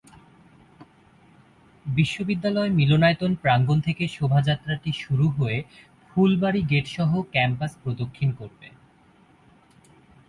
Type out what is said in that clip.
বিশ্ববিদ্যালয় মিলনায়তন প্রাঙ্গণ থেকে শোভাযাত্রাটি শুরু হয়ে ফুলবাড়ী গেটসহ ক্যাম্পাস প্রদক্ষিণ করবে।